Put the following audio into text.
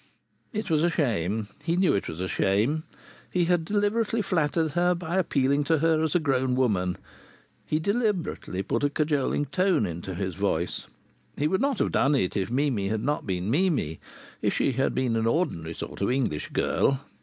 It was a shame. He knew it was a shame. He deliberately flattered her by appealing to her as to a grown woman. He deliberately put a cajoling tone into his voice. He would not have done it if Mimi had not been Mimi if she had been an ordinary sort of English girl.